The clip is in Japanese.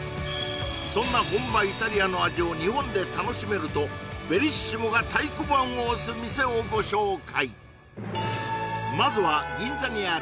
そんな本場イタリアの味を日本で楽しめるとベリッシモが太鼓判を押す店をご紹介